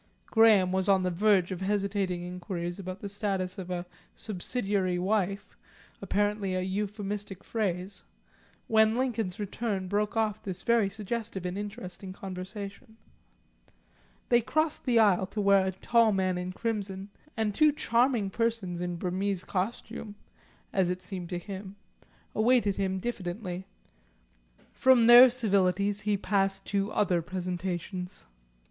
Graham was on the verge of hesitating inquiries about the status of a "subsidiary wife," apparently an euphemistic phrase, when Lincoln's return broke off this very suggestive and interesting conversation. They crossed the aisle to where a tall man in crimson, and two charming persons in Burmese costume (as it seemed to him) awaited him diffidently. From their civilities he passed to other presentations.